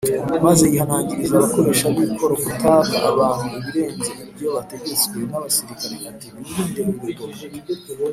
’’ Maze yihanangiriza abakoresha b’ikoro kutaka abantu ibirenze ibyo bategetswe, n’abasirikare ati mwirinde urugomo